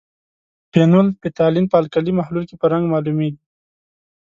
فینول فتالین په القلي محلول کې په رنګ معلومیږي.